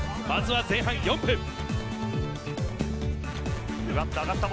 まずは前半４分。